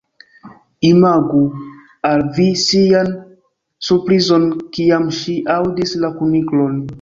Imagu al vi ŝian surprizon kiam ŝi aŭdis la kuniklon.